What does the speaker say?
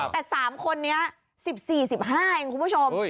แต่๓คนนี้๑๔๑๕เองคุณผู้ชม